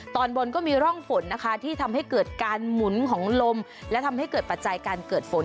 ตอนบนก็มีร่องฝนนะคะที่ทำให้เกิดการหมุนของลมและทำให้เกิดปัจจัยการเกิดฝน